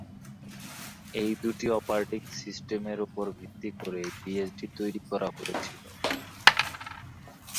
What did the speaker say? এই দুটি অপারেটিং সিস্টেমের উপর ভিত্তি করেই বিএসডি তৈরি করা হয়েছিল।